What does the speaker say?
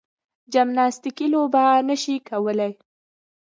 جمناستیکي لوبه نه شي کولای.